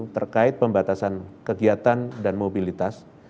terkait pembatasan kegiatan dan mobilitas